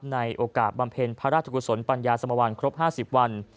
ในโอกาสบำเพ็ญพระราชกุศลปัญญาสมวัลครบ๕๐วัน